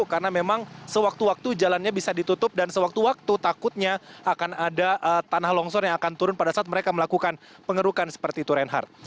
karena memang sewaktu waktu jalannya bisa ditutup dan sewaktu waktu takutnya akan ada tanah longsor yang akan turun pada saat mereka melakukan pengerukan seperti itu reinhardt